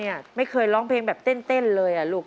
นกก็มันกอดไปเลยไม่ได้ลูก